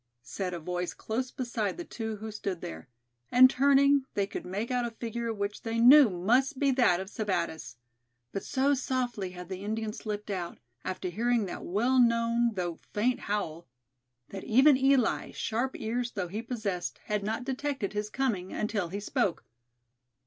said a voice close beside the two who stood there; and turning, they could make out a figure which they knew must be that of Sebattis; but so softly had the Indian slipped out, after hearing that well known though faint howl, that even Eli, sharp ears though he possessed, had not detected his coming until he spoke.